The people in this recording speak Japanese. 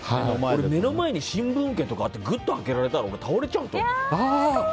俺、目の前に新聞受けとかあってぐっと開けられたら倒れちゃうと思う。